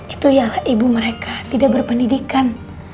itu yang ibu mereka tidak berpendidikan